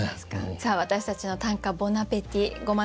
さあ私たちの「短歌ボナペティ」ご満足頂けましたか？